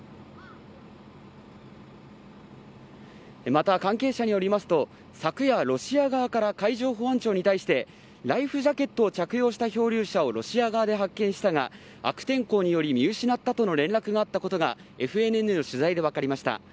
また、関係者によりますと昨夜、ロシア側から海上保安庁に対してライフジャケットを着用した漂流者をロシア側で発見したが悪天候により見失ったとの連絡があったことがＦＮＮの取材で分かりました。